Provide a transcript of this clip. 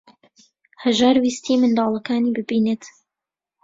هەژار ویستی منداڵەکانی ببینێت.